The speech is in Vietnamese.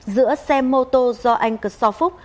giữa xe mô tô do anh cật so phúc